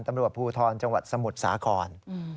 ตำรวจภูทรจสมุทรสาคร